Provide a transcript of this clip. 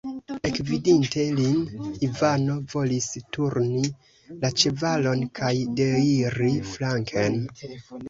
Ekvidinte lin, Ivano volis turni la ĉevalon kaj deiri flanken.